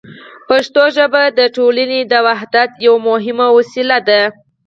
پښتو ژبه د ټولنې د وحدت یوه مهمه وسیله ده.